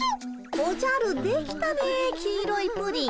おじゃるできたね黄色いプリン。